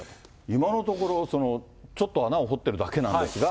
今のところ、ちょっと穴を掘ってるだけなんですが。